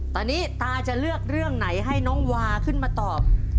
ตอนนี้ตาจะเลือกเรื่องไหนให้น้องวาขึ้นมาตอบ